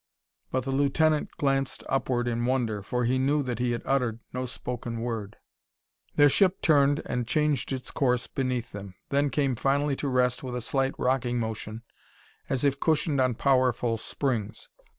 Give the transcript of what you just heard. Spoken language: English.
But the lieutenant glanced upward in wonder, for he knew that he had uttered no spoken word. Their ship turned and changed its course beneath them, then came finally to rest with a slight rocking motion as if cushioned on powerful springs.